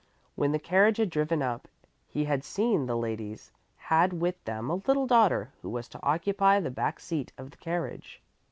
When the carriage had driven up, he had seen that the ladies had with them a little daughter who was to occupy the back seat of the carriage.